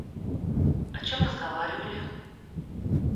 О чем разговаривали?